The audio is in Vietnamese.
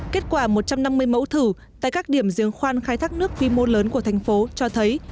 kết quả một trăm năm mươi mẫu thử tại các điểm giếng khoan khai thác nước quy mô lớn của thành phố cho thấy